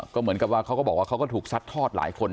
ก็เหมือนกับว่าเขาก็บอกว่าเขาก็ถูกซัดทอดหลายคน